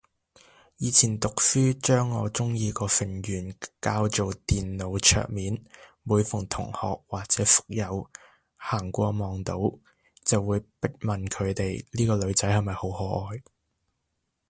以前讀書將我鍾意個成員較做電腦桌面，每逢同學或者宿友行過望到，就會逼問佢哋呢個女仔係咪好可愛